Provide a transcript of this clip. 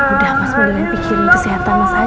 udah mas mendingan pikirin kesehatan mas aja